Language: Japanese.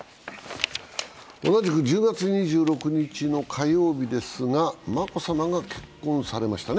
同じく１０月２６日の火曜日ですが、眞子さまが結婚されましたね。